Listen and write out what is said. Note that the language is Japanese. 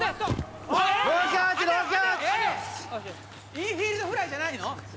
インフィールドフライじゃないの？